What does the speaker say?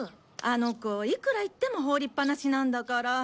あの子いくら言っても放りっぱなしなんだから。